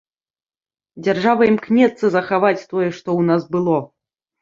Дзяржава імкнецца захаваць тое, што ў нас было.